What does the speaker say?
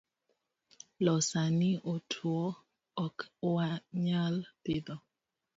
Loo sani otuo ok wanyal pitho